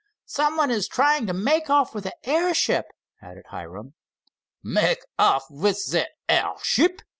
"Someone is trying to make off with the airship," added Hiram. "Make off with the airship!"